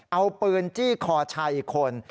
เอาปืนจี้คอชัยคน